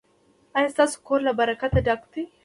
ایا ستاسو کور له برکت ډک دی؟